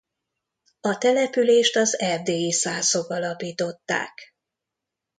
A települést az erdélyi szászok alapították.